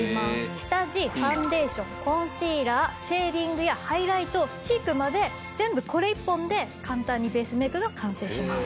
下地ファンデーションコンシーラーシェーディングやハイライトチークまで全部これ１本で簡単にベースメイクが完成します。